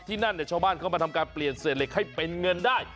นั่นชาวบ้านเข้ามาทำการเปลี่ยนเศษเหล็กให้เป็นเงินได้